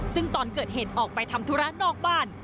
ซึ่งตอนเกิดเหตุออกไปทำธุระนอกบ้าน